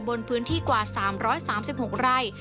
บนพื้นที่กว่า๓๓๖ไร่